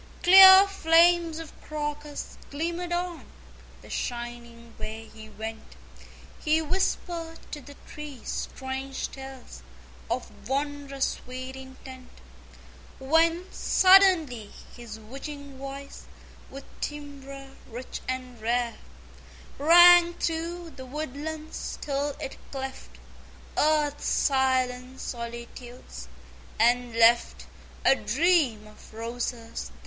Clear flames of Crocus glimmered on The shining way he went. He whispered to the trees strange tales Of wondrous sweet intent, When, suddenly, his witching voice With timbre rich and rare, Rang through the woodlands till it cleft Earth's silent solitudes, and left A Dream of Roses the